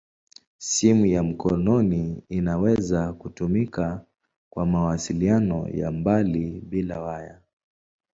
Simu ya mkononi inaweza kutumika kwa mawasiliano ya mbali bila waya.